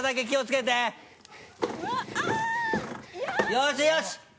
よしよし！